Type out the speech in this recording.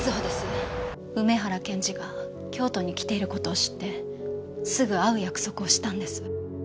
梅原検事が京都に来ている事を知ってすぐ会う約束をしたんです。